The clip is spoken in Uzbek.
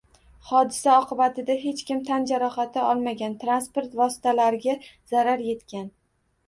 Hodisa oqibatida hech kim tan jarohati olmagan, transport vositalariga zarar yetgan